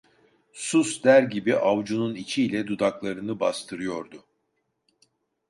"Sus!" der gibi avcunun içiyle dudaklarını bastırıyordu.